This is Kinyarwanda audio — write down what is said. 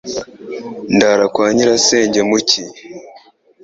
Ndara kwa nyirasenge mu cyi.